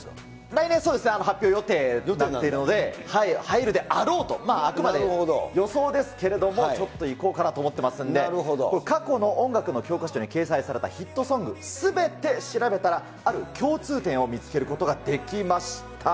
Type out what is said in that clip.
来年、そうですね、発表予定で、入るであろうと、あくまで予想ですけれども、ちょっといこうかなと思ってますんで、これ、過去の音楽の教科書に掲載されたヒットソングすべて調べたら、ある共通点を見つけることができました。